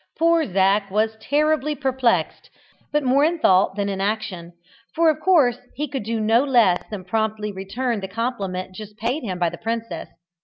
Poor Zac was terribly perplexed, but more in thought than in action, for of course he could do no less than promptly return the compliment just paid him by the princess.